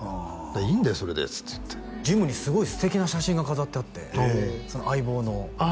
「いいんだよそれで」って言ってジムにすごい素敵な写真が飾ってあって「相棒」のあ